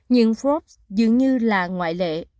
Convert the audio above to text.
nhưng forbes dường như là ngoại lệ